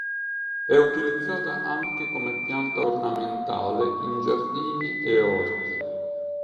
È utilizzata anche come pianta ornamentale in giardini e orti.